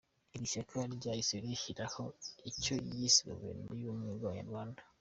Iri shyaka ryahise rishyiraho icyo ryise guverinoma y’ubumwe bw’abanyarwanda.